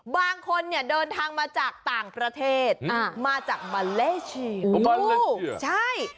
บางคนเดินทางมาจากต่างประเทศมาจากมาเลเชีย